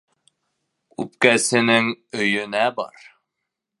Үпкәсенең өйөнә бар.